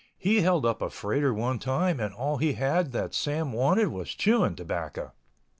He held up a freighter one time and all he had that Sam wanted was chewing tobacco.